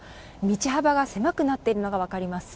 道幅が狭くなっているのが分かります。